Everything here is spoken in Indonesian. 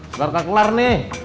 sekarang kelar nih